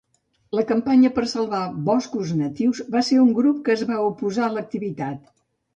La Campanya per Salvar Boscos Natius va ser un grup que es va oposar a l'activitat.